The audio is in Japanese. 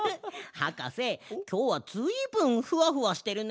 はかせきょうはずいぶんふわふわしてるね。